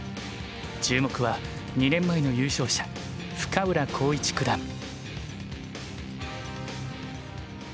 注目は２年前の優勝者深浦康市九段。